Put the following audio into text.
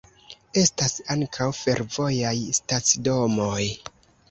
Estas ankaŭ fervojaj stacidomoj.